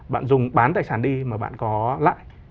bạn dùng bán tài sản đi mà bạn có lại